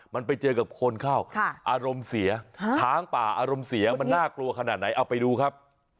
มันไปเจอกับคนข้าวอรมเสียช้างป่าอิบก็น่ากลัวขนาดไหนเอาไปดูครับ